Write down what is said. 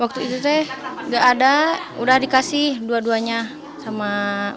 waktu itu teh gak ada udah dikasih dua duanya sama